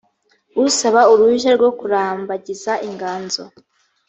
usaba uruhushya rwo kurambagiza inganzo.